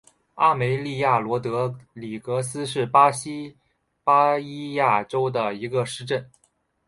阿梅利娅罗德里格斯是巴西巴伊亚州的一个市镇。